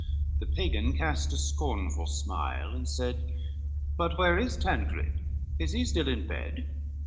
LXXXV The Pagan cast a scornful smile and said, "But where is Tancred, is he still in bed?